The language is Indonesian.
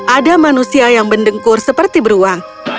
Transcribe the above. ada manusia yang bendungkur seperti beruang